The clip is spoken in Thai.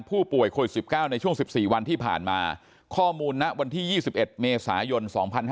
ผู้ป่วยโควิด๑๙ในช่วง๑๔วันที่ผ่านมาข้อมูลณวันที่๒๑เมษายน๒๕๕๙